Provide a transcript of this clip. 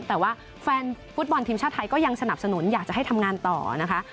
แต่ว่าแฟนฟุตบอลทีมชาติไทยก็ยังสนับสนุนอยากจะให้ทำงานต่อนะคะ